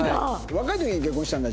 若い時に結婚したんだ？